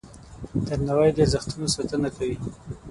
درناوی د ارزښتونو ساتنه کوي.